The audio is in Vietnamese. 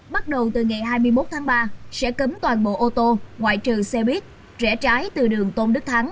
bắt đầu từ ngày hai mươi một tháng ba sẽ cấm toàn bộ ô tô ngoại trừ xe buýt rẽ trái từ đường tôn đức thắng